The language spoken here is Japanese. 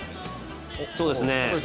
そうですね。